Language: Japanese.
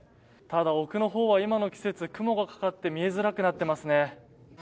ただ奥の方は今の季節雲がかかって見えづらくなっていますね。